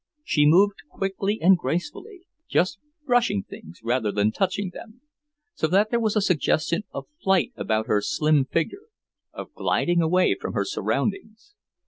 She moved quickly and gracefully, just brushing things rather than touching them, so that there was a suggestion of flight about her slim figure, of gliding away from her surroundings.